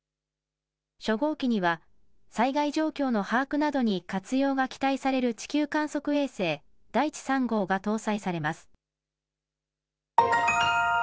初号機には災害状況の把握などに活用が期待される地球観測衛星だいち３号が搭載されます。